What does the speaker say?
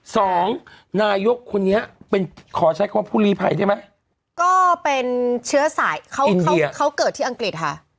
สองนายกคนนี้เป็นขอใช้คำว่าผู้ลีภัยได้ไหมก็เป็นเชื้อสายเขาเขาเกิดที่อังกฤษค่ะ